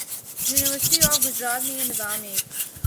university of Gujrat میں یہ نظام ایک